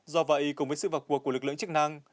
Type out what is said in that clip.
do vậy cùng với sự vào cuộc của lực lượng chức năng